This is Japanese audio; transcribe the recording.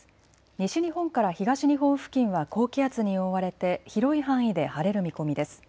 西日本から東日本付近は高気圧に覆われて広い範囲で晴れる見込みです。